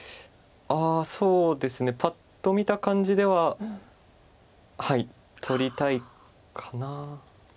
そうですねパッと見た感じでははい取りたいかな。